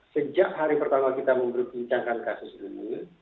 sejak hari pertama kita memperbincangkan kasus ini